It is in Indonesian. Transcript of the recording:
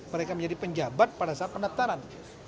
mereka menjadi penjabat pada saat pendaftaran